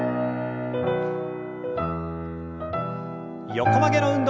横曲げの運動。